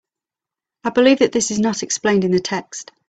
I believe that this is not explained in the text.